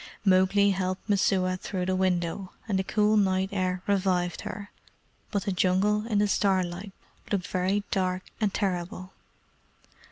Mowgli helped Messua through the window, and the cool night air revived her, but the Jungle in the starlight looked very dark and terrible.